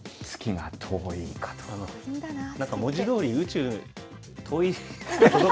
なんか文字どおり、宇宙、遠遠い。